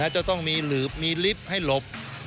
จะต้องมีหลืบมีลิฟต์ให้หลบ